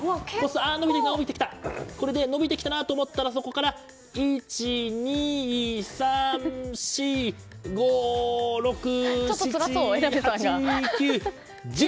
伸びてきたなと思ったらそこから１、２、３、４、５、６７、８、９、１０。